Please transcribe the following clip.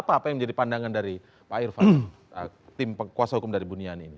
apa apa yang menjadi pandangan dari pak irfan tim kuasa hukum dari buniani ini